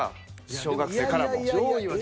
小学生からも。